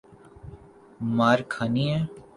مار کھانی ہے؟